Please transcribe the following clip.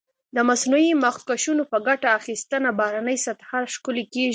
د مصنوعي مخکشونو په ګټه اخیستنه بهرنۍ سطحه ښکلې کېږي.